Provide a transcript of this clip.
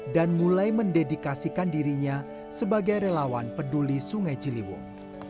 dan mulai mendedikasikan dirinya sebagai relawan peduli sungai ciliwung